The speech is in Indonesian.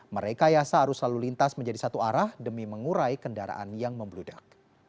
mereka ya seharus lalu lintas menjadi satu arah demi mengurai kendaraan yang membludak